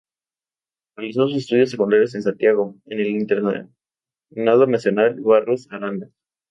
Realizó sus estudios secundarios en Santiago, en el Internado Nacional Barros Arana.